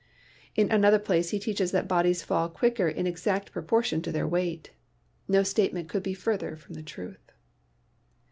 In another place he teaches that bodies fall quicker in exact proportion to their weight. No statement could be further from the truth.